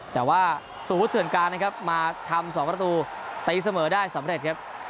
แต่ว่าสมมุติเถื่อนการนะครับมาทำ๒ประตูตีเสมอได้สำเร็จครับ